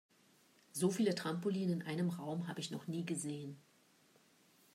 So viele Trampoline in einem Raum habe ich noch nie gesehen.